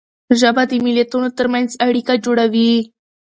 ژبه د ملتونو تر منځ اړیکه جوړوي.